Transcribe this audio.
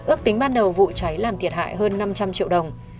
ước tính ban đầu vụ cháy làm thiệt hại hơn năm trăm linh triệu đồng